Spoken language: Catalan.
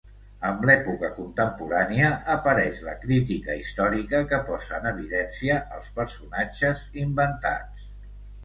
Amb l'època contemporània apareix la crítica històrica que posa en evidència els personatges inventats.